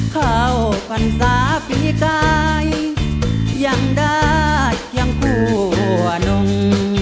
เข้ากันสาภิกายยังดัดยังกลัวนง